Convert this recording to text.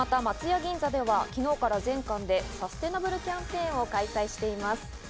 銀座では昨日から全館でサステナブルキャンペーンを開催しています。